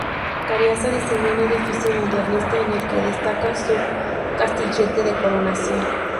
Carasa diseñó un edificio modernista en el que destaca su castillete de coronación.